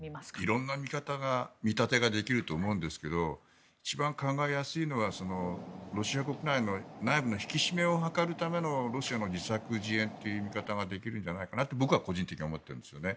色んな見立てができると思うんですけど一番考えやすいのはロシア国内の内部の引き締めを図るためのロシアの自作自演という見方ができるんじゃないかなって僕は個人的に思ってるんですよね。